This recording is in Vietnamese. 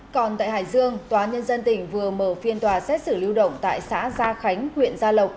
còn tại hải dương tòa nhân dân tỉnh vừa mở phiên tòa xét xử lưu động tại xã gia khánh huyện gia lộc